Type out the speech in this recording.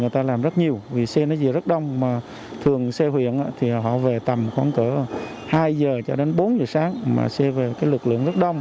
trường xe huyện thì họ về tầm khoảng cỡ hai giờ cho đến bốn giờ sáng mà xe về lực lượng rất đông